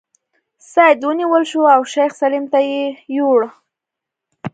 سید ونیول شو او شیخ سلیم ته یې یووړ.